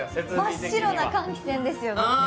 真っ白な換気扇ですよね。